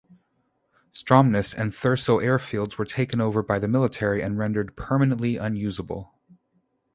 Stromness and Thurso airfields were taken over by the military and rendered permanently unusable.